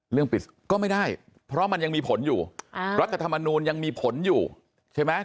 ปิดก็ไม่ได้เพราะมันยังมีผลอยู่รัฐธรรมนูลยังมีผลอยู่ใช่ไหม